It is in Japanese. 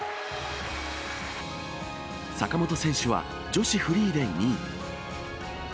坂本選手は女子フリーで２位。